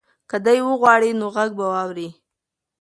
که دی وغواړي نو غږ به واوري.